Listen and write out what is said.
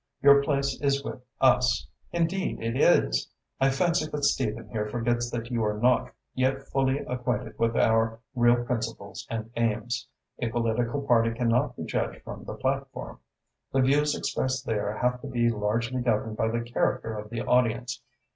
Your place is with us indeed it is. I fancy that Stephen here forgets that you are not yet fully acquainted with our real principles and aims. A political party cannot be judged from the platform. The views expressed there have to be largely governed by the character of the audience.